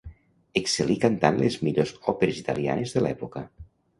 Excel·lí cantant les millors òperes italianes de l'època.